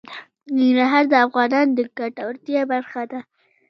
ننګرهار د افغانانو د ګټورتیا برخه ده.